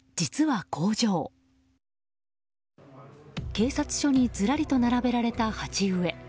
警察署にずらりと並べられた鉢植え。